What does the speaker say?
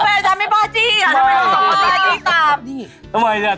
ทำไมอาจารย์ไม่ป้าจี้อีกอ่ะทำไมต้องต้องป้าจี้ตาม